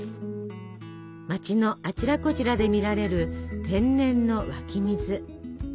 町のあちらこちらで見られる天然の湧き水。